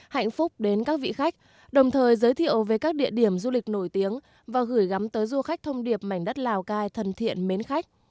hạnh phúc đến các vị khách đồng thời giới thiệu về các địa điểm du lịch nổi tiếng và gửi gắm tới du khách thông điệp mảnh đất lào cai thân thiện mến khách